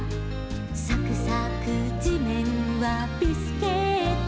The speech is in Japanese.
「さくさくじめんはビスケット」